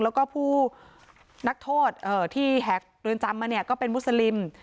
แล้วก็ผู้นักโทษที่แหกเรือนจำมาเนี่ยก็เป็นมุสลิม